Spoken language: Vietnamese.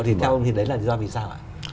thì theo ông nhìn đấy là lý do vì sao ạ